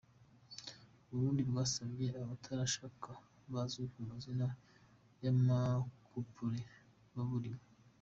Uburundi bwasabye abatarashaka bazwi ku mazina y’amakupure baburiwe.